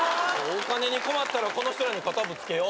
お金に困ったらこの人らに肩ぶつけよ。